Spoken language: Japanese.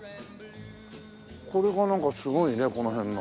これがなんかすごいねこの辺が。